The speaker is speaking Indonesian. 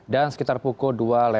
dan sekitar pukul dua lima